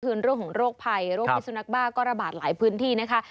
คือเรื่องของโรคภัยโรคพิสุนักบ้าก็ระบาดหลายพื้นที่นะคะ